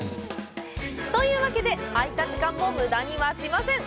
というわけで、空いた時間も無駄にはしません。